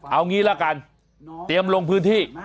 เอางี้ละกันเตรียมลงพื้นที่